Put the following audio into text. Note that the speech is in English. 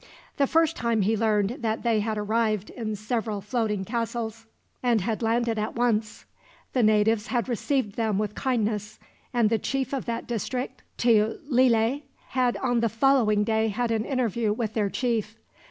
The first time he learned that they had arrived in several floating castles, and had landed at once. The natives had received them with kindness, and the chief of that district, Teuhtlile, had on the following day had an interview with their chief.